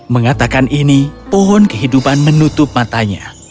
mengatakan ini pohon kehidupan menutup matanya